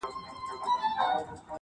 ډېر دي له لمني او ګرېوانه اور اخیستی دی-